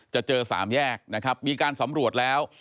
เจอสามแยกนะครับมีการสำรวจแล้ว